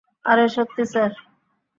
আরে, সত্যি স্যার!